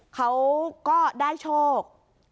เขาก็ได้โชค